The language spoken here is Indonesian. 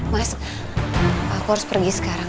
mas aku harus pergi sekarang